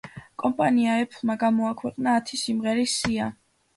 კომპანია „ეფლმა“ გამოაქვეყნა ათი სიმღერის სია.